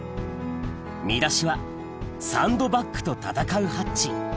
見出しは「サンドバッグと戦うハッチ‼」